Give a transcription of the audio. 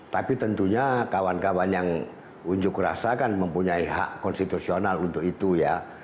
tapi tentunya kawan kawan yang unjuk rasa kan mempunyai hak konstitusional untuk itu ya